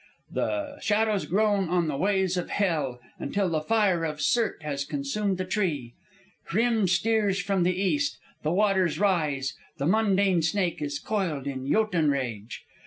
The shadows groan on the ways of Hel, until the fire of Surt has consumed the tree. Hrym steers from the east, the waters rise, the mundane snake is coiled in jotun rage.